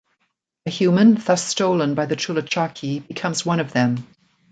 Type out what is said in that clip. A human thus stolen by the Chullachaqui becomes one of them.